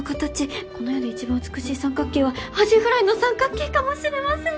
この世で一番美しい三角形はアジフライの三角形かもしれません。